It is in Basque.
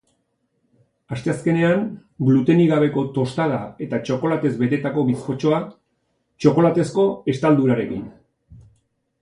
Asteazkenean, glutenik gabeko tostada eta txokolatez betetako bizkotxoa, txokolatezko estaldurarekin.